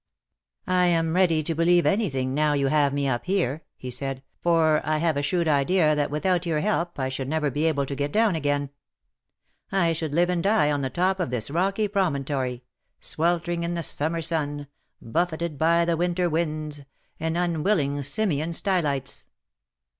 '' I am ready to believe anything now you have me up here/^ he said, "for I have a shrewd idea that without your help I should never be able to get down again. I should live and die on the top of this rocky promontory — sweltering in the sum mer sun — buffeted by the winter winds — an unwilling Simeon Stylites."